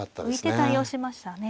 浮いて対応しましたね。